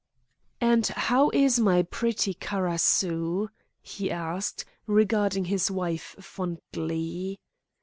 "And how is my pretty karasu?" he asked, regarding his wife fondly.